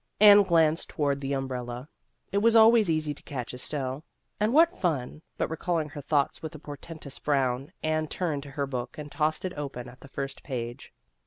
Anne glanced toward the umbrella ; it was always easy to catch Estelle. And what fun but recalling her thoughts with a portentous frown, Anne turned to her book, and tossed it open at the first page.